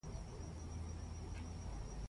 زه د ټکنالوژۍ له لارې هره ورځ زده کړه کوم.